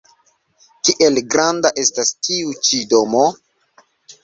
Kiel granda estas tiu-ĉi domo?